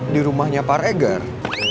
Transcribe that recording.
di rumahnya pak regar